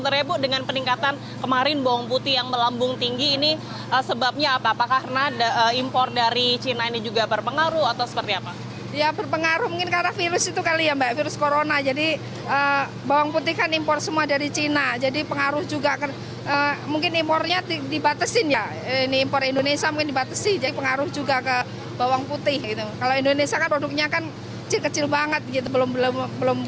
dki jakarta anies baswedan menyebut kegiatan operasi pasar merupakan salah satu upaya pemerintah mengendalikan harga kebutuhan pokok warga ibu